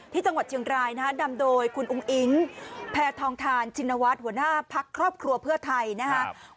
ที่จังหวัดเชียงรายนะฮะนำโดยคุณอุ้งอิ๊งแพทองทานชินวัฒน์หัวหน้าพักครอบครัวเพื่อไทยนะครับ